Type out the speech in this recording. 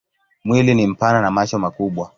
Mwili ni mpana na macho makubwa.